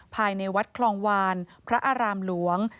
ภายในวัดคลองวานพระอารามหลวง